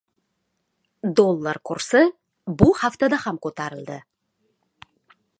Dollar kursi bu haftada ham ko‘tarildi